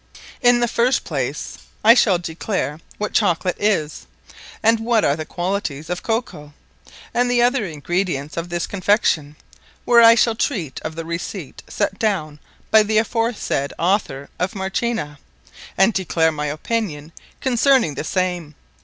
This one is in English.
In the first place I shall declare, what Chocolate is; and what are the Qualities of Cacao, and the other Ingredients of this Confection; where I shall treate of the Receipt set downe by the aforesaid Author of Marchena, and declare my opinion concerning the same.